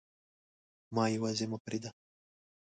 ما یواځي مه پریږده